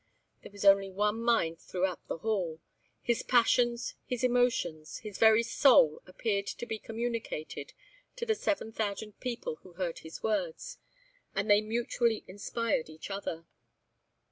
There was only one mind throughout the hall. His passions, his emotions, his very soul appeared to be communicated to the seven thousand people who heard his words; and they mutually inspired each other.